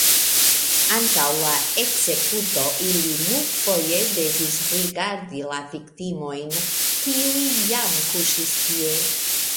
Antaŭ la ekzekuto ili multfoje devis rigardi la viktimojn, kiuj jam kuŝis tie.